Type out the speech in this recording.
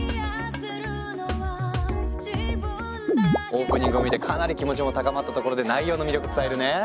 オープニングを見てかなり気持ちも高まったところで内容の魅力伝えるね。